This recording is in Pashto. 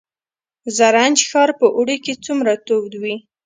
زرنج ښار په اوړي کې څومره تود وي؟